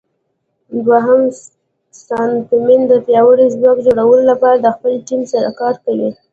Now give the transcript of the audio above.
دوهم ساتنمن د پیاوړي ځواک جوړولو لپاره د خپل ټیم سره کار کوي.